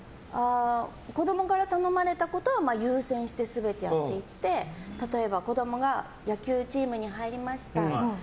子供から頼まれたことは優先して全てやっていって例えば子供が野球チームに入りました。